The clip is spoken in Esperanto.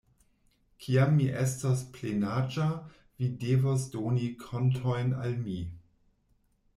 Kiam mi estos plenaĝa vi devos doni kontojn al mi.